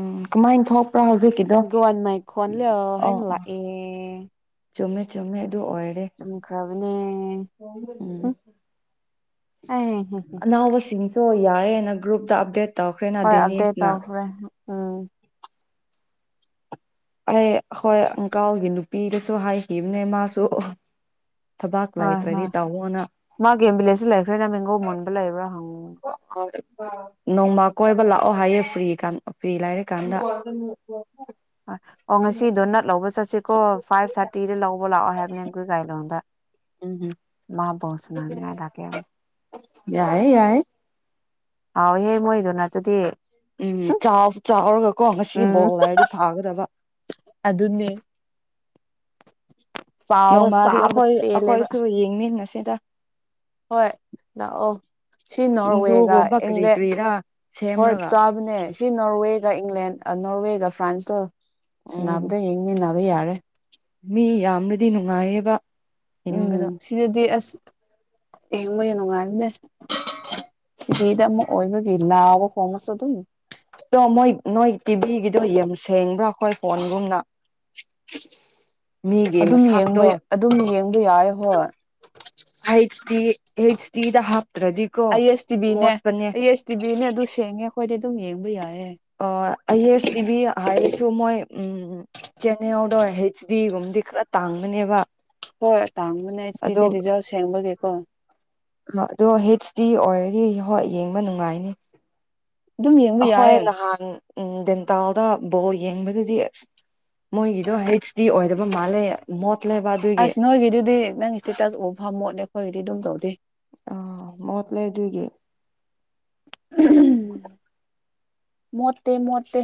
ꯎꯝ ꯀꯃꯥꯏꯅ ꯊꯣꯛ ꯒꯋꯥꯟ ꯃꯥꯏ ꯈꯣꯟꯂꯌꯣ ꯑꯣ ꯍꯥꯏꯅ ꯑꯣ ꯂꯥꯛꯑꯦ ꯆꯨꯝꯃꯦ ꯆꯨꯝꯃꯦ ꯑꯗꯨ ꯑꯣꯏꯔꯦ ꯆꯨꯝꯈ꯭ꯔꯕꯅꯦ ꯎꯝ ꯑꯩ ꯑꯅꯧꯕꯁꯤꯡ [unintelligible] ꯌꯥꯔꯦꯅ ꯒꯔꯨꯨꯞꯗ ꯑꯞꯗꯦꯠ ꯇꯧꯈ꯭ꯔꯦꯅ ꯍꯣꯏ ꯑꯞꯗꯦꯠ ꯗꯦꯅꯤꯁꯅ ꯇꯧꯈ꯭ꯔꯦ ꯎꯝ ꯑ ꯍꯣꯏ ꯑꯃꯨꯛꯀꯥꯎ ꯑꯣꯏꯒꯦ ꯅꯨ ꯄꯤꯔꯁꯨ ꯍꯥꯏꯈꯤꯕꯅꯦ ꯃꯥꯁꯨ ꯊꯕꯥꯛ ꯍꯣꯏ ꯍꯣꯏ ꯂꯩꯇ꯭ꯔꯗꯤ ꯇꯧꯋꯣꯅ ꯃꯥꯒꯤꯒꯦꯝ ꯕꯤꯂꯦꯖꯇ ꯂꯩꯈ꯭ꯔꯦꯅ ꯃꯡꯒꯣ ꯃꯨꯟꯕ ꯂꯩꯕ꯭ꯔꯥ ꯍꯪꯉꯨ ꯎ ꯅꯣꯡꯃ ꯀꯣꯏꯕ ꯂꯥꯛꯑꯣ ꯍꯥꯏꯌꯦ ꯐ꯭ꯔꯤ ꯐ꯭ꯔꯤ ꯂꯥꯏꯔꯀꯥꯟꯗ ꯍ ꯑꯣ ꯉꯁꯤꯗꯣ ꯅꯠ ꯂꯧꯕ ꯆꯠꯁꯤꯀꯣ ꯐꯥꯏꯚ ꯊꯥꯔꯇꯤꯗ ꯂꯧꯕ ꯂꯥꯛꯑꯣ ꯍꯥꯏꯕꯅꯦ ꯑꯩꯈꯣꯏ ꯒꯥꯔꯤ ꯂꯣꯗ ꯎꯝ ꯃꯥꯕꯁꯅꯅ ꯀꯥꯛꯀꯦ ꯌꯥꯏ ꯌꯥꯏ ꯍꯥꯎꯍꯦ ꯃꯣꯏꯗꯨꯅ ꯑꯗꯨꯗꯤ ꯎꯝ ꯆꯥꯎꯔꯒꯀꯣ ꯉꯁꯤ ꯎꯝ ꯕꯣꯜ ꯍꯥꯏꯔꯗꯤ ꯐꯥꯒꯗꯕ ꯑꯗꯨꯅꯦ ꯆꯥꯎꯔ ꯅꯣꯡꯃꯔꯤ ꯆꯥꯕꯗ ꯑꯩꯈꯣꯏ ꯄꯦꯜꯂꯦꯕ ꯑꯩꯈꯣꯏꯁꯨ ꯌꯦꯡꯃꯤꯟꯅꯁꯤ ꯁꯤꯗ ꯍꯣꯏ ꯂꯥꯛꯑꯣ ꯁꯤ ꯅꯣꯔꯋꯦꯒ ꯁꯤꯡꯖꯨꯒꯨꯝꯕ ꯀꯔꯤ ꯏꯪꯂꯦꯟ ꯀꯔꯤꯔꯥ ꯍꯣꯏ ꯁꯦꯝꯔꯒ ꯆꯥꯕꯅꯦ ꯁꯤ ꯅꯣꯔꯋꯦꯒ ꯏꯪꯂꯦꯟ ꯅꯣꯔꯋꯦꯒ ꯐ꯭ꯔꯥꯟꯁꯒ ꯎꯝ ꯕꯗ ꯌꯦꯡꯃꯤ ꯌꯥꯔꯦ ꯃꯤ ꯌꯥꯝꯅꯗꯤ ꯅꯨꯡꯉꯥꯏꯌꯦꯕ ꯎꯝ ꯌꯦꯡꯕꯗꯣ ꯁꯤꯗꯗꯤ ꯑꯁ ꯌꯦꯡꯕꯒꯤ ꯅꯨꯡꯉꯥꯏꯕꯅꯦ ꯇꯤꯚꯤꯗ ꯑꯃꯛ ꯑꯣꯏꯕꯒꯤ ꯂꯥꯎꯕ ꯈꯣꯡꯕꯁꯨ ꯑꯗꯨꯝ ꯑꯣ ꯃꯣꯏ ꯅꯣꯏ ꯇꯤꯚꯤꯒꯤꯗꯣ ꯌꯥꯝ ꯁꯦꯡꯕ꯭ꯔꯥ ꯑꯩꯈꯣꯏ ꯐꯣꯟꯒꯨꯝꯅ ꯃꯤꯒꯤ ꯑꯗꯨꯝ ꯃꯁꯛꯇꯣ ꯌꯦꯡꯕ ꯑꯗꯨꯝ ꯌꯦꯡꯕ ꯌꯥꯏ ꯍꯣꯏ ꯍꯁꯇꯤꯗꯍ ꯑ ꯑꯦꯁ ꯇꯤꯚꯤꯅꯦ ꯑ ꯑꯦꯁ ꯇꯤꯚꯤꯅꯦ ꯑꯗꯨ ꯁꯦꯡꯉꯦ ꯑꯩꯈꯣꯏꯗ ꯇꯨꯝ ꯌꯦꯕꯨꯩꯏꯌꯦꯦ ꯑꯣ ꯑꯥꯏ ꯑꯦꯁ ꯇꯤꯚꯤ ꯍꯥꯏꯔꯁꯨ ꯃꯣꯏ ꯎꯝ ꯆꯦꯅꯦꯜꯗ ꯍꯩꯆ ꯗꯤꯒꯨꯝꯕꯗꯤ ꯈꯔ ꯇꯥꯡꯕꯅꯦꯕ ꯍꯣꯏ ꯇꯥꯡꯕꯅ ꯑꯗꯣ ꯑꯩꯆꯇꯤꯗꯤ ꯔꯤꯖꯜ ꯁꯦꯡꯕꯒꯤꯦꯀꯣ ꯁꯤꯤ ꯑꯣꯏꯔꯔꯤ ꯍꯣꯏ ꯌꯦꯡꯕ ꯅꯨꯡꯉꯥꯏꯅꯤ ꯑꯗꯨꯝ ꯌꯦꯡꯕ ꯌꯥꯏꯌꯦ ꯎ ꯗꯦꯟꯇꯜꯗ ꯕꯣꯜ ꯌꯦꯡꯕꯗꯗꯤ ꯑꯁ ꯃꯣꯏꯒꯤꯗꯣ ꯍꯩꯆ ꯗꯤ ꯑꯣꯏꯗꯕ ꯃꯥꯜꯂꯦ ꯃꯣꯠ ꯑꯁ ꯅꯣꯏꯒꯤꯗꯨꯗꯤ ꯅꯪꯒꯤ ꯏꯁꯇꯦꯇꯁ ꯎꯐꯝꯃꯣꯠꯅꯦ ꯑꯩꯈꯣꯏꯒꯤꯗꯤ꯫ ꯗꯤ ꯑꯗꯨꯝ ꯇꯧꯗꯦ꯫ ꯑ ꯃꯣꯠ ꯂꯩ ꯑꯗꯨꯒꯤ꯫ ꯃꯣꯠꯇꯦ ꯃꯣꯠꯇꯦ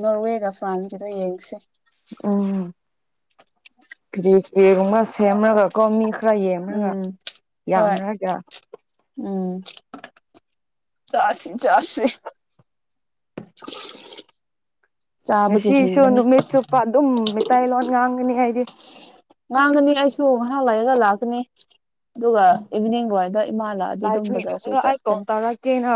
ꯅꯣꯔꯋꯦꯒ ꯐ꯭ꯔꯥꯟꯁꯀꯗ ꯌꯦꯡꯁꯦ꯫ ꯎꯝ꯫ [unintelligible] ꯀꯦꯒꯨꯝꯕ ꯁꯦꯝꯔꯒ꯫ ꯀꯣꯃꯤꯛ꯫ ꯈꯔ ꯌꯦꯝꯔꯒ ꯎꯝ ꯍꯣꯏ ꯌꯥꯝꯔꯒ꯫ ꯎꯝ ꯆꯥꯁꯤ ꯆꯥꯁꯤ꯫ ꯆꯥꯕꯒꯤ ꯁꯤꯁꯨ ꯍꯤꯡꯕꯅꯤ ꯅꯨꯃꯤꯠ ꯆꯨꯞꯄ ꯑꯗꯨꯝ ꯃꯤ ꯇꯩ ꯂꯣꯟ ꯉꯥꯡꯒꯅꯤ ꯑꯩꯗꯤ꯫ ꯉꯥꯡꯒꯅꯤ ꯑꯩꯁꯨ ꯉꯍꯥꯛ ꯂꯩꯔꯒ ꯂꯥꯛꯀꯅꯤ ꯑꯗꯨꯒ ꯏꯚꯤꯅꯤꯡ ꯑꯗꯨꯋꯥꯏꯗ꯫ [unintelligible] ꯑꯩ ꯀꯣꯜ ꯇꯧꯔꯛꯀꯦꯅ꯫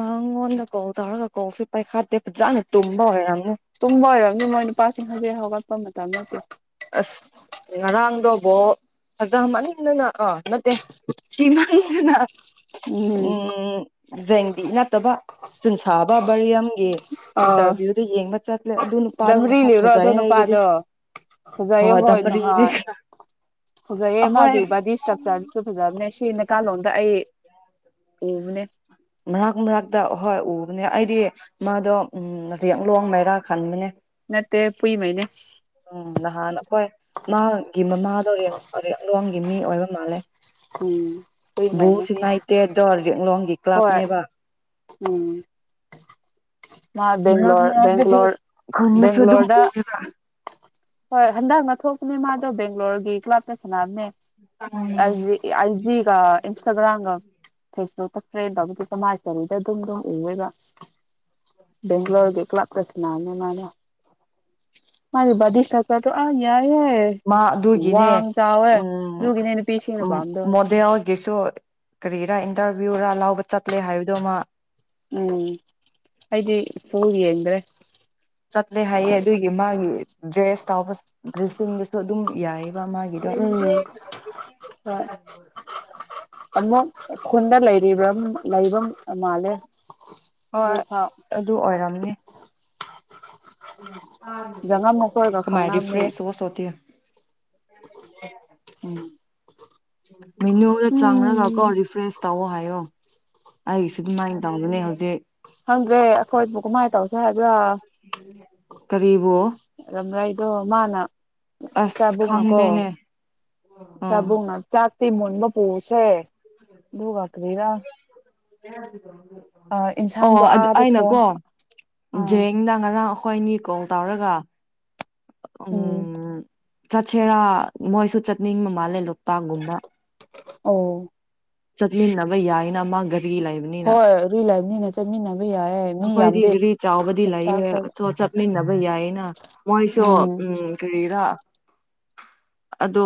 ꯃꯥꯉꯣꯟꯗ ꯀꯣꯜ ꯇꯧꯔꯒ ꯀꯣꯜꯁꯨ ꯄꯥꯏꯈꯠꯇꯦ ꯐꯖꯅ ꯇꯨꯝꯕ ꯑꯣꯏꯔꯝ ꯇꯨꯝꯕ ꯑꯣꯏꯔꯝꯅꯤ ꯃꯣꯏ ꯅꯨꯄꯥꯁꯤꯡ ꯍꯧꯖꯤꯛ ꯍꯧꯒꯠꯄ ꯃꯇꯝ ꯅꯇꯦ꯫ [inaudible] ꯉꯔꯥꯡꯗꯣ ꯕꯣ ꯐꯖ ꯃꯟꯗꯅ ꯑꯣ ꯅꯠꯇꯦ ꯊꯤ ꯃꯟꯗꯅ꯫ ꯎꯝ꯫ ꯖꯦꯡꯗꯤ ꯅꯠ ꯇꯕ ꯆꯨꯟꯁꯥꯕ ꯕꯔꯤꯌꯝꯒꯤ ꯏꯟꯇꯔꯚꯤꯌꯨꯗ ꯌꯦꯡꯕ꯫ ꯆꯠꯂꯦ ꯑꯗꯨ ꯅꯨꯄꯥꯗꯣ ꯃꯁꯛ ꯗꯝꯔꯤꯂꯤꯕꯨꯔꯣ ꯑꯗꯣ ꯐꯖꯩ ꯍꯥꯏꯒꯤꯗꯤ ꯅꯨꯄꯥꯗꯣ꯫ ꯐꯖꯩꯌꯦ ꯍꯣꯏ ꯅꯍꯥꯟ ꯐꯖꯩꯌꯦ ꯑꯩꯈꯣꯏ ꯃꯥꯒꯤ ꯕꯗꯤ ꯏꯁꯇ꯭ꯔꯛꯆꯔꯗꯨꯁꯨ ꯐꯖꯕꯅꯦ ꯁꯤ ꯅꯦꯀꯥꯂꯣꯟꯗ ꯑꯩ꯫ ꯎꯕꯅꯦ ꯃꯔꯒ ꯃꯔꯒꯗ ꯍꯣꯏ ꯎꯕꯅꯦ ꯑꯩ꯫ ꯗꯤ ꯃꯥꯗꯣ ꯎꯝ ꯔꯦꯛꯂꯣꯡ ꯃꯩꯔꯥ ꯈꯟꯕꯅꯦ꯫ ꯅꯠꯇꯦ ꯄꯨꯏꯃꯩꯅꯦ ꯎꯝ ꯅꯍꯥꯟ ꯑꯩꯈꯣꯏ ꯃꯥꯒꯤ ꯃꯃꯥꯗꯣ ꯔꯦꯡ ꯔꯦꯛꯂꯣꯟꯒꯤ ꯃꯤ꯫ ꯑꯣꯏꯕ ꯃꯥꯜꯂꯦ꯫ ꯎꯝ ꯄꯨꯏꯃꯩꯅꯦ꯫ ꯔꯦꯛꯂꯣꯡꯒꯤ ꯍꯣꯏ ꯀ꯭ꯂꯥꯕꯅꯦꯕ꯫ ꯎꯝ꯫ ꯃꯥ ꯃꯔꯛ ꯕꯦꯡꯒ꯭ꯂꯣꯔ ꯃꯔꯛꯇꯗꯤ ꯕꯦꯡꯒ꯭ꯂꯣꯔ ꯈꯨꯟꯗꯁꯨ ꯑꯗꯨꯝ ꯕꯦꯡꯒ꯭ꯂꯣꯔꯗ ꯎꯌꯦꯕ ꯍꯣꯏ꯫ ꯍꯟꯗꯛꯅ ꯊꯣꯛꯄꯅꯦ ꯃꯥꯗꯣ ꯕꯦꯡꯒ꯭ꯂꯣꯔꯒꯤ ꯀ꯭ꯂꯥꯞꯇ ꯁꯥꯟꯅꯝꯅꯦ꯫ ꯑꯖꯤ ꯑꯥꯏꯖꯤꯒ ꯏꯟꯁꯇꯒ꯭ꯔꯥꯝꯒ ꯐꯦꯁꯕꯨꯛ꯫ ꯇ꯭ꯔꯦꯟ ꯇꯧꯕꯗꯨ ꯃꯥꯏ ꯀꯔꯤꯗ ꯑꯗꯨꯝ ꯗꯨꯝ ꯎꯌꯦꯕ꯫ ꯕꯦꯡꯒ꯭ꯂꯣꯔꯒꯤ ꯀ꯭ꯂꯕꯇ꯫ ꯁꯥꯅꯝꯅꯦ [unintelligible] ꯕꯗꯤ ꯏꯁꯇ꯭ꯔꯛꯆꯔꯗꯣ ꯑꯥ ꯌꯥꯏ꯫ ꯃꯥ ꯑꯗꯨꯒꯤꯅꯦ ꯑꯗꯨꯒꯤꯅꯦ ꯅꯨꯄꯤꯁꯤꯡꯅ ꯎ ꯄꯥꯝꯕꯗꯣ ꯃꯣꯗꯦꯜꯒꯤꯁꯨ ꯀꯔꯤꯔꯥ ꯏꯟꯇꯔꯚꯤꯌꯨꯔꯥ ꯂ ꯆꯠꯂꯦ ꯍꯥꯏꯕꯗꯨꯃ ꯎꯝ ꯑꯩꯗꯤ ꯐꯨꯡ ꯌꯦꯡꯗ꯭ꯔꯦ ꯆꯠꯂꯦ ꯍꯥꯏꯌꯦꯦ ꯑꯗꯨꯒꯤ ꯃꯥꯒꯤ ꯗ꯭ꯔꯦꯁ ꯇꯥꯎꯕ ꯤꯡꯗꯁꯨ ꯑꯗꯨꯝ ꯌꯥꯏ ꯗ ꯎꯝ ꯍꯣꯏ ꯑꯃꯨꯛ ꯈꯨꯟꯗ ꯂꯩꯔꯤꯕ꯭ꯔ ꯂꯩꯕ ꯃꯥꯂꯦ ꯖꯤꯛꯐꯥꯎ ꯅꯤ ꯖꯉꯝ ꯃꯈꯣꯏꯒ ꯎꯝ ꯨꯥꯏ ꯈꯪꯅꯕꯅꯦ ꯔꯤꯐ꯭ꯔꯦꯁ ꯁꯣꯇ ꯎꯝ ꯃꯦꯅꯨꯗ ꯆꯥꯡꯔꯒꯀꯣ ꯎꯝ ꯔꯤꯐ꯭ꯔꯦꯁ ꯇꯧꯑꯣ ꯍꯥꯏꯌꯣ ꯑꯩ ꯁꯤꯃꯥꯏ ꯇꯗꯅꯦ ꯍꯧ ꯍꯪꯗ꯭ꯔꯦ ꯑꯩꯈꯣꯏꯕꯨ ꯀꯃꯥꯏꯅ ꯇꯧꯁꯤ ꯍꯥꯏꯕ꯭ꯔꯥ ꯀꯔꯤꯕꯨ ꯔꯝ꯭ꯔꯥꯏ ꯗꯣ ꯃꯥꯅ ꯑꯁ ꯆꯥꯕꯨꯡꯅ ꯀꯣ ꯈꯪꯗꯦꯅꯦ ꯑꯥ ꯆꯥꯕꯨꯡꯅ ꯆꯥꯛ ꯇꯤ ꯃꯨꯟꯕ ꯄꯨꯁꯦ ꯑꯗꯨꯒ ꯀꯔꯤꯔ [inaudible] ꯑꯣ ꯏꯟꯁꯥꯡꯗꯣ ꯑꯗꯨ ꯑꯥꯗ ꯊꯣꯡ ꯑꯩꯅꯀꯣ ꯑꯥ ꯖꯦꯡꯗ ꯉꯔꯥꯡ ꯍꯣꯏꯅꯤ ꯀꯣꯜ ꯇꯧꯔꯒ ꯎꯝ ꯆꯠꯁꯦꯔꯥ ꯃꯣꯏꯁꯨ ꯆꯠꯅꯤꯡꯕ ꯃꯥꯜꯂꯦ ꯂꯣꯛꯇꯥꯛꯒꯨꯝꯕ ꯑꯣ ꯆꯠꯃꯤꯟꯅꯕ ꯌꯥꯏꯅꯃ ꯒ꯭ꯔꯤ ꯂꯩꯕꯅꯤꯅ ꯍꯣꯏ ꯔꯤ ꯂꯩꯕꯅꯤꯅ ꯆꯠꯃꯤꯟꯅꯕ ꯌꯥꯏꯌꯦ ꯃꯤ ꯑꯩꯈꯣꯏꯗꯤ ꯌꯥꯝꯗꯦ ꯒ꯭ꯔꯤ ꯆꯥꯎꯕꯗꯤ ꯂꯣꯛꯇꯥꯛ ꯂꯩꯑꯦ ꯆꯠꯂꯨ ꯆꯠꯃꯤꯟꯅꯕ ꯌꯥꯏꯌꯦꯅ ꯃꯣꯏꯁꯨ ꯎꯝ ꯀꯔꯤꯔ ꯑꯗꯣ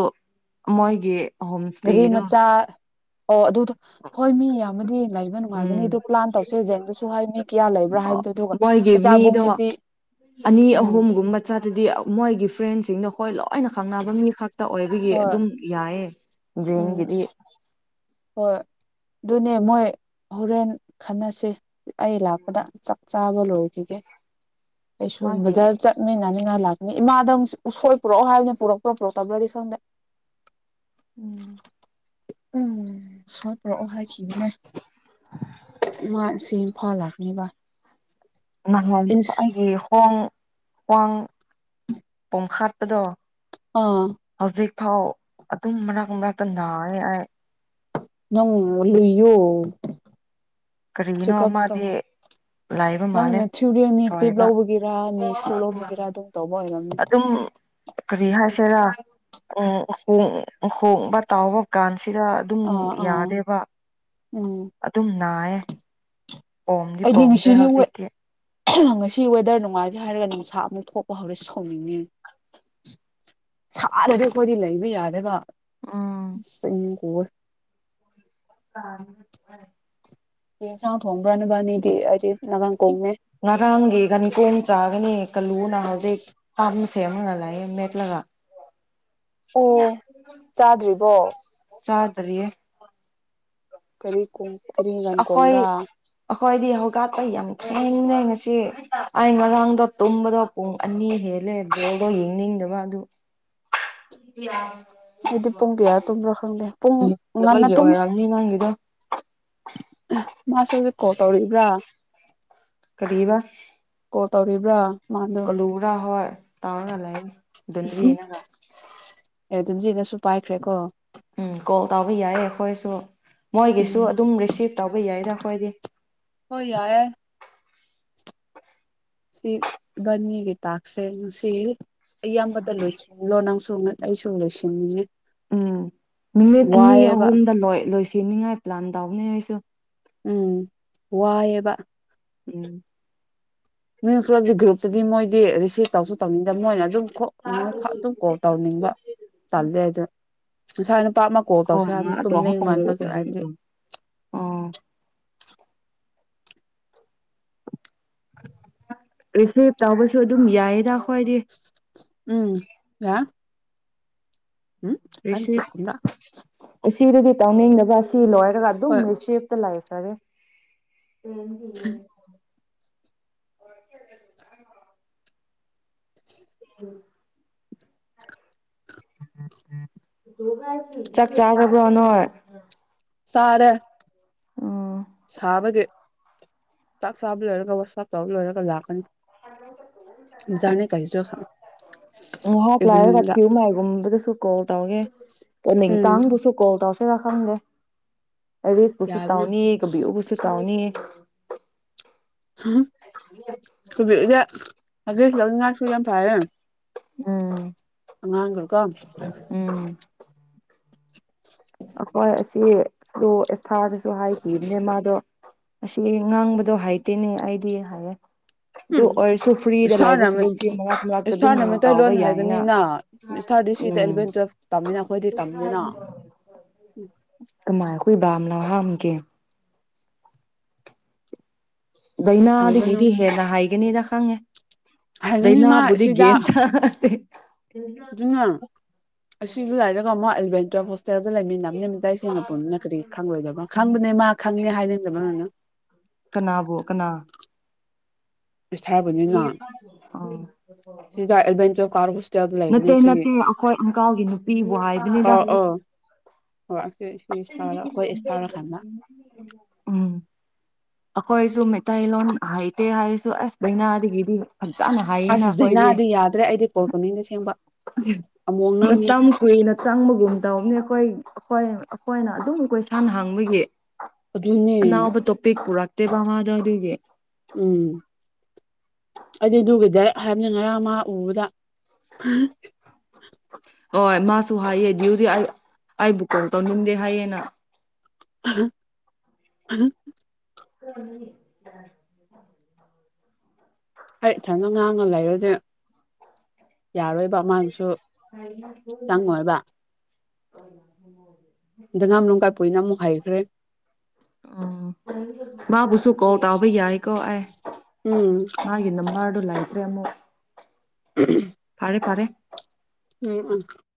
ꯃꯣꯏꯒꯤ ꯍꯣꯝ ꯒꯔꯤ ꯏꯁꯇꯦꯗꯣ ꯃꯆꯥ ꯑꯣ ꯑꯗꯨ ꯍꯣꯏ ꯃꯤ ꯌꯥꯝꯃꯗꯤ ꯂꯩꯕ ꯅꯨꯡꯉꯥꯏꯒꯅꯤ ꯎꯝ ꯑꯗꯨ ꯄ꯭ꯂꯥꯟ ꯇꯧꯁꯦ ꯍꯖꯡꯗꯁꯨ ꯍꯣꯏ ꯃꯤ ꯀꯌꯥ ꯂꯩꯕ꯭ꯔꯥ ꯍꯥꯏꯕꯗꯣ ꯑꯗꯨꯒ ꯃꯣꯏꯒꯤ ꯃꯤꯗꯣ ꯀꯆꯥꯥꯕꯨꯡꯗꯗꯤ ꯑꯅꯤ ꯑꯍꯨꯝꯒꯨꯝꯕ ꯆꯥꯗꯗꯤ ꯃꯣꯏꯒꯤ ꯐ꯭ꯔꯦꯟꯁꯤꯡꯗ ꯍꯣꯏ ꯂꯣꯏꯅ ꯈꯪꯅꯕ ꯃꯤꯈꯛ ꯇ ꯑꯣꯏꯕꯒꯤ ꯍꯣꯏ ꯑꯗꯨꯝ ꯌꯥꯏꯌꯦ ꯎꯝ ꯖꯦꯟꯒꯤꯗꯤ ꯑꯁ ꯍꯣꯏ ꯑꯗꯨꯅꯦ ꯃꯣꯏ ꯍꯣꯔꯦꯟ ꯈꯟꯅꯁꯦ ꯑꯩ ꯂꯥꯛꯄꯗ ꯆꯥꯛ ꯆꯥꯕ ꯂꯣꯏꯈꯤꯒꯦ ꯑꯩꯁꯨ ꯃꯥꯒꯤ ꯕꯖꯥꯔ ꯆꯠꯃꯤꯅꯅꯤꯡ ꯏꯃꯥꯥ ꯂꯥꯛꯀꯅꯤ ꯏꯃꯥꯗꯣ ꯎꯁꯣꯏ ꯄꯨꯔꯛꯑꯣ ꯍꯥꯏꯕꯅꯤ ꯄꯨꯔꯛꯄ꯭ꯔꯥ ꯄꯨꯔꯛꯇꯕ꯭ꯔꯥꯗꯤ ꯈꯪꯗꯦ꯫ ꯎꯝ꯫ [unintelligible] ꯎꯁꯣꯏ ꯄꯨꯔꯛꯑꯣ ꯍꯥꯏꯈꯤꯕꯅꯦ ꯏꯃꯥ ꯉꯁꯤ ꯏꯝꯐꯥꯜ ꯂꯥꯛꯀꯅꯦꯕ꯫ ꯅꯍꯥꯟ ꯑꯩꯒꯤ ꯍꯣꯡ ꯀꯥꯡ [unintelligible] ꯍꯥꯞꯄꯗꯣ꯫ ꯑꯥ ꯊꯥꯎ ꯑꯗꯨꯝ ꯃꯔꯛ ꯃꯔꯛꯇ ꯅꯥꯔꯦ ꯑꯩ꯫ ꯅꯪ [unintelligible] ꯀꯔꯤꯒꯤꯅꯣ ꯆꯦꯛꯀꯞ ꯃꯥꯗꯤ ꯇꯧꯋꯣ ꯂꯥꯏꯕ ꯃꯥꯜꯂꯦ ꯅꯪꯅ ꯊꯌꯨꯔꯤꯌꯅꯤ ꯇꯦꯞ ꯁꯣꯏꯕ ꯂꯧꯕꯒꯤꯔꯥ ꯅꯤ ꯁꯨ ꯂꯧꯕꯒꯤꯔꯥ ꯑꯗꯨꯝ ꯇꯧꯕ ꯑꯣꯏ ꯑꯗꯨꯝ ꯀꯔꯤ ꯍꯥꯏꯁꯤꯔꯥ [unintelligible] ꯍꯣꯡꯕ ꯇꯥꯎꯕ ꯀꯥꯟꯁ ꯁꯤꯗ ꯑꯗꯨꯝ ꯑꯥ ꯑꯥ ꯌꯥꯗꯦꯕ ꯎꯝ ꯑꯗꯨꯝ ꯅꯥꯌꯦ꯫ ꯄꯣꯝꯗꯤ ꯑꯩꯗꯤ ꯄꯣꯝꯗꯔꯦ ꯉꯁꯤꯁꯨ ꯍꯧꯖꯤꯛꯇꯤ꯫ ꯉꯁꯤ ꯋꯦꯗꯔ ꯅꯨꯡꯉꯥꯏꯒꯦ ꯍꯥꯏꯔꯒ ꯅꯨꯡꯁꯥ ꯑꯃꯨꯛ ꯊꯣꯛꯄ ꯍꯧꯔꯦ ꯁꯥꯎꯅꯤꯡꯉꯦ ꯁꯥꯔꯗꯤ ꯑꯩꯈꯣꯏꯗꯤ ꯂꯩꯕ ꯌꯥꯗꯦꯕ꯫ ꯎꯝ [unintelligible] ꯑꯣ [unintelligible] ꯀꯔꯤ ꯏꯟꯁꯥꯡ ꯊꯣꯡꯕ꯭ꯔꯥ ꯅꯕꯥꯟꯅꯤꯗꯤ [unintelligible] ꯉꯔꯥꯡꯒꯤ ꯀꯟ ꯀꯣꯟ ꯆꯥꯒꯅꯤ ꯀꯂꯨꯅ ꯍꯧꯖꯤꯛ ꯁꯦꯝꯂ ꯂꯩꯌꯦ ꯃꯦꯠꯂꯒ꯫ ꯑꯣ ꯆꯥꯗ꯭ꯔꯤꯕꯣ ꯆꯥꯗꯔꯤꯌꯦ꯫ ꯀꯔꯤ ꯀꯔꯤ [unintelligible] ꯀꯣꯡꯕ꯭ꯔꯥ ꯍꯣꯏꯗꯤ ꯍꯧꯀꯠꯄ ꯌꯥꯝ ꯊꯦꯡꯅꯩ ꯉꯁꯤ ꯑ ꯉꯔꯥꯡꯗꯣ ꯇꯨꯝꯕꯗꯣ ꯄꯨꯡ ꯑꯅꯤ ꯍꯦꯜꯂꯦ ꯕꯣꯜꯗꯣ ꯌꯦꯡꯅꯤꯡꯗꯕ ꯑꯗꯨ ꯑꯩꯗꯤ ꯄꯨꯡ ꯀꯌꯥ ꯇꯨꯝꯕ꯭ꯔꯥ ꯈꯪꯗꯦ꯫ ꯄꯨꯡ ꯉꯟꯅ ꯌꯦꯡꯗꯕꯒꯤ ꯇꯨꯝꯃꯦ ꯑꯣꯏꯔꯝꯅꯤ ꯅꯪꯒꯤꯗꯣ ꯃꯥꯁꯨ꯫ ꯍꯧꯖꯤꯛ ꯀꯣꯜ ꯇꯧꯔꯤꯕ꯭ꯔꯥ꯫ ꯀꯔꯤꯕ꯫ ꯀꯣꯜ ꯇꯧꯔꯤꯕ꯭ꯔꯥ꯫ ꯃꯥꯗꯣ ꯀꯂꯨꯔꯥ ꯍꯣꯢ ꯇꯧꯔꯒ ꯂꯥꯔꯤ꯫ ꯗꯟ ꯗꯤꯌꯦꯅꯀ ꯑꯦ ꯑꯗꯨꯟꯖꯤꯅꯁꯨ ꯄꯥꯏꯈ꯭ꯔꯦꯀꯣ ꯎꯝ ꯀꯣꯜ ꯇꯥꯕ ꯌꯥꯏ ꯑꯩꯈꯣꯏꯁꯨ ꯃꯣꯏꯒꯤꯁꯨ ꯎꯝ ꯑꯗꯨꯝ ꯔꯤꯁꯤꯞ ꯇꯧꯕ ꯌꯥꯏꯗ ꯑꯩꯈꯣꯏꯗꯤ ꯍꯣꯏ ꯌꯥꯏꯌꯦ ꯁꯤ ꯏꯚꯅꯤꯒꯤ ꯇꯥꯛꯁꯦ ꯉꯁꯤ ꯑꯌꯥꯝꯕꯗ ꯂꯣꯏꯁꯤꯜꯂꯣ ꯅꯪꯁꯨ ꯑꯩꯁꯨ ꯂꯣꯏꯁꯤꯟꯅꯤꯡꯉꯦ ꯎꯝ ꯃꯤꯅꯤꯠ ꯑꯅꯤ ꯋꯥꯏꯑꯦꯕ ꯑꯍꯨꯝꯗ ꯂꯣꯏ ꯂꯣꯏꯁꯤ ꯅꯤꯉꯥꯏ ꯄ꯭ꯂꯥꯟ ꯇꯎꯕꯅꯦ ꯑꯩꯁꯨ ꯎꯝ ꯋꯥꯏꯑꯦꯕ ꯎꯝ ꯃꯤ ꯈꯔꯒꯤ ꯒ꯭ꯔꯨꯨꯞꯇꯗꯤ ꯃꯣꯏꯗꯤ ꯁꯤ ꯇꯧꯁꯨ ꯇꯧꯅꯤꯡꯗꯕ ꯃꯣꯏꯅ ꯑꯗꯨꯝ ꯃꯣꯏ ꯈ ꯑꯗꯨꯝ ꯀꯣꯜ ꯇꯧꯅꯤꯡꯕ ꯇꯜꯂꯦ ꯑꯗꯨ ꯉꯁꯥꯏꯅ ꯄꯥꯞ ꯑꯃ ꯀꯣꯜ ꯑꯣ ꯇꯧꯁꯦ ꯌꯥꯝꯥꯟꯅ ꯇꯨꯝꯅꯤꯡ ꯃꯟꯕꯒꯤ ꯍꯥꯏꯗꯤ ꯔꯤꯁꯤꯞ ꯇꯧꯕꯁꯨ ꯑꯗꯨꯝ ꯌꯥꯏꯌꯦꯗ ꯈꯣꯏꯏꯗꯤ ꯎꯝ ꯌꯥ ꯎꯝ ꯀ ꯀꯦ ꯀꯨꯨꯝ꯭ꯔꯥ ꯎꯁꯤꯗꯗꯤ ꯇꯧꯅꯤꯡꯗꯕ ꯁꯤ ꯂꯣꯏꯔꯒ ꯑꯗꯨꯝ ꯍꯣꯏ ꯔꯤꯁꯤꯞꯇꯥ ꯂꯩ ꯇꯔꯦ ꯑꯦ [inaudible] ꯎ [unintelligible] ꯆꯥꯛ ꯆꯥꯖꯕ꯭ꯔ ꯅꯣꯏ ꯆꯥꯔꯦ ꯎꯝ ꯁꯕꯒꯤ ꯆꯥꯛ ꯆꯥꯕ ꯂꯣꯏꯔꯒ ꯋꯥꯁ ꯑꯕ ꯇꯩꯕ ꯂꯣꯏꯔꯒ ꯂꯥꯛꯀꯅꯤ ꯕꯖꯥꯔꯅꯦ ꯀꯩꯁꯨ ꯀ꯭ꯂ꯭ꯂꯥꯏꯔ ꯀ ꯏꯚꯤꯅꯤꯡꯗ ꯊꯌ ꯃꯥꯥꯏꯒꯨꯝꯕꯗ ꯁ ꯀꯣ [inaudible] [unintelligible] ꯇꯧꯒꯦ ꯇꯨꯃꯤꯡ ꯎꯝ ꯀꯥꯡꯕꯨꯁꯨ ꯀꯣꯜ ꯇꯧꯁꯦꯔ ꯐꯪꯗꯦ ꯑꯔꯤꯁꯕꯨꯁꯨ ꯌꯥꯕꯅ ꯇꯧꯅꯤ ꯀꯕꯤꯎꯕꯨꯁꯨ ꯇꯥꯎꯅꯤ [inaudible] ꯀꯕꯤꯌꯨꯗꯤ ꯑꯒꯁꯠ ꯂꯧꯅꯤꯉꯥꯏꯁꯨ ꯌꯥꯝ ꯐꯔꯦ ꯎꯝ ꯑꯉꯥꯡꯒ ꯀꯣ ꯎꯝ ꯁꯤ ꯑꯦꯊꯥꯗꯁꯨ ꯍꯥꯏꯈꯤꯕꯅꯦ ꯃꯥꯗꯣ ꯑꯁꯤ ꯉꯥꯡꯕꯗꯣ ꯍꯥꯏꯇꯦꯅꯦ ꯑꯩꯗꯤ ꯍꯥꯏꯌꯦꯦ ꯎꯝ ꯏꯁꯇꯥꯔꯅ ꯁꯔꯨꯛꯇꯤ ꯃꯔꯛ ꯃꯔꯛꯇ ꯑꯗꯨꯝ ꯏꯁꯇꯥꯔꯅ ꯇꯥꯎꯕ ꯃꯩꯇꯩꯂꯣꯟ ꯌꯥꯏꯅ ꯍꯥꯏꯒꯅꯤꯅ ꯏꯁꯇꯥꯔ ꯗꯤ ꯁꯤꯗ ꯎꯝ ꯑꯦꯂꯚꯦꯟ ꯇꯨꯋꯜꯞ ꯇꯝꯃꯤꯅ ꯑꯩꯈꯣꯏꯗꯤ ꯇꯝꯅꯤꯅ ꯀꯃꯥꯏ ꯀ ꯝ ꯅꯍꯥꯟꯒ ꯍꯥꯏꯒꯅꯨ ꯏꯅꯥꯗꯒꯤꯗꯤ ꯍꯦꯟꯅ ꯍꯥꯏꯒꯅꯤꯗ ꯈꯪꯉꯦ ꯍꯥꯏꯒꯅꯤ ꯗꯩꯅꯥ ꯃꯥ ꯕꯨꯤ ꯁꯤꯗ ꯒꯦꯝ ꯊꯥ ꯑꯗꯨꯅ ꯑꯁꯤꯁꯨ ꯂꯥꯏꯔꯒ ꯑꯃꯨꯛ ꯑꯦꯂꯚꯦꯟ ꯇꯨꯋꯦꯜꯞ ꯍꯣꯁꯇꯦꯜꯗ ꯂꯩꯃꯤꯟꯅꯅꯦ ꯃꯇꯥꯏ ꯁꯦꯡꯉ ꯄꯨꯝꯅ ꯀꯔꯤ ꯈꯪꯂꯣꯏꯗꯕꯅ ꯈꯪꯕꯅꯦ ꯃꯥ ꯈꯪꯉꯦ ꯍꯥꯏꯅꯤꯡꯗꯕꯅꯤꯅ ꯀꯅꯥꯕꯣ ꯀꯅꯥ ꯏꯁ ꯍꯥꯏꯕꯅꯤꯅ ꯑ ꯁꯤꯗ ꯑꯦꯂꯚꯦꯟ ꯇꯨꯌꯦꯜꯞ ꯀꯥꯔ ꯍꯣꯁꯇꯦꯜꯗ ꯂꯩꯕꯅꯦ ꯅꯠꯇꯦ ꯁꯤ ꯅꯠꯇꯦ ꯑꯩꯈꯣꯏ ꯏꯪꯀꯜꯒꯤ ꯅꯨꯄꯤꯕꯨ ꯍꯥꯏꯕꯅꯤꯗ ꯑꯥ ꯑꯥ ꯍꯣꯏ ꯑꯁꯤ ꯁꯤ ꯏꯁꯇꯥꯔ ꯑꯩꯈꯣꯏ ꯏꯁꯇꯥꯔ ꯈꯟꯕ ꯎꯝ ꯑꯩꯈꯣꯏꯁꯨ ꯃꯩꯇꯩꯂꯣꯟꯣꯟ ꯍꯥꯏꯇꯦ ꯍꯥꯏꯁꯨ ꯑꯁ ꯅꯥꯗꯒꯤ ꯑꯁ ꯗꯥꯏꯅꯥꯗꯤ ꯌꯥꯗ꯭ꯔꯦ ꯑꯩꯗꯤ ꯀꯣꯜ ꯇꯧꯅꯤꯡꯗ ꯁꯦꯝꯦꯡꯕ ꯃꯇꯝ ꯀꯨꯏꯅ ꯆꯪꯕꯒꯨꯝ ꯇꯧꯅꯤ ꯑꯩꯈꯣꯏ ꯍꯣꯏ ꯑꯩꯈꯣꯏꯅ ꯑꯗꯨꯝ ꯀꯣꯏ ꯏꯁꯥꯅ ꯍꯥꯡꯕꯒꯤ ꯑꯗꯨꯅꯦ ꯑꯅꯥꯎꯕ ꯇꯣꯄꯤꯛ ꯄꯨꯔꯛꯇꯦ ꯕꯃꯥꯗ ꯑꯗꯨꯒꯤ ꯎꯝ ꯑꯩꯗꯤ ꯑꯗꯨꯒꯤꯗ ꯍꯥꯏꯕꯅꯤ ꯉꯔꯥꯡ ꯃꯥ ꯎꯕꯗ ꯍꯣꯏ ꯃꯥꯁꯨ ꯍꯥꯏꯌꯦꯦ ꯎꯗꯤ ꯑꯩꯕꯨ ꯀꯝ ꯇꯧꯅꯤꯡꯗꯦ ꯍꯥꯏꯌꯦꯅ ꯎ ꯎ ꯎꯝ ꯍꯣꯏ ꯏꯊꯗ ꯉꯥꯡꯅ ꯂꯩꯔꯨꯗꯤ ꯌꯥꯔꯣꯏꯕ ꯃꯥꯥꯡꯁꯨ ꯑꯏꯕꯗꯣ [unintelligible] ꯗ ꯉꯥ ꯅꯨꯡ ꯀꯥꯏꯄꯣꯏꯅꯨ ꯍꯥꯏꯥꯏꯕ꯭ꯔꯦꯠ ꯑꯣ ꯃꯥꯕꯨꯁꯨ ꯀꯣꯜ ꯇꯥꯕ ꯌꯥꯏꯀꯣ ꯑꯦ ꯎꯝ ꯃꯥꯒꯤ ꯅꯝꯕꯔ ꯂꯩꯥꯏꯈ꯭ꯔꯦ ꯑꯃꯨꯛ [unintelligible] [unintelligible] ꯎꯝ ꯎꯝ